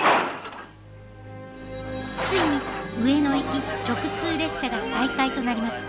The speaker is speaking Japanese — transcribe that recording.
ついに上野行き直通列車が再開となります。